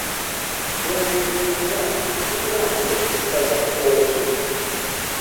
Wano we mbeera tuliraanye essaza Kkooki.